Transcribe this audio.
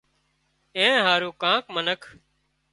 اين هارو ڪانڪ منک